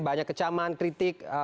banyak kecaman kritik